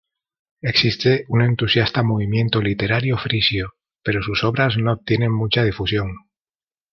Existe un entusiasta movimiento literario frisio, pero sus obras no obtienen mucha difusión.